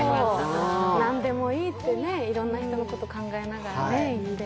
何でもいいってね、いろんな人のことを考えながら。